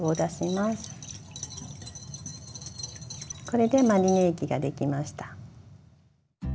これでマリネ液が出来ました。